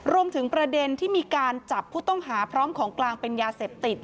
ประเด็นที่มีการจับผู้ต้องหาพร้อมของกลางเป็นยาเสพติด